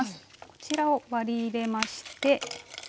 こちらを割り入れまして。